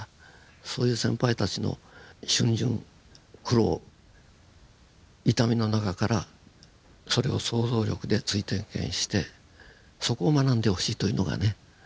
そういう先輩たちの逡巡苦労痛みの中からそれを想像力で追体験してそこを学んでほしいというのがね